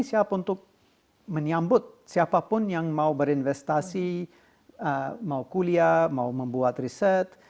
kami siap untuk menyambut siapa pun yang mau berinvestasi mau kuliah mau membuat riset